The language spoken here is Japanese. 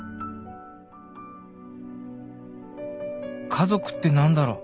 家族って何だろう